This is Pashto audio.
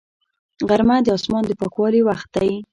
غرمه د اسمان د پاکوالي وخت دی